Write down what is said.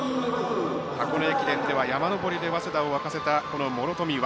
箱根駅伝では山登りで早稲田を沸かせたこの諸冨湧。